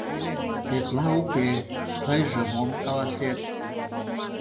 — Тетла уке... тыйже мом каласет?..